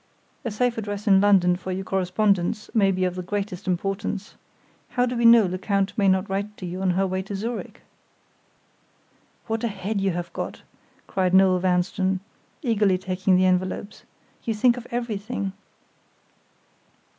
A safe address in London for your correspondence may be of the greatest importance. How do we know Lecount may not write to you on her way to Zurich?" "What a head you have got!" cried Noel Vanstone, eagerly taking the envelopes. "You think of everything."